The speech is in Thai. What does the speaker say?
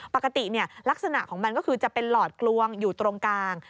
ปกติลักษณะของมันก็คือจะเป็นหลอดกลวงอยู่ตรงกลาง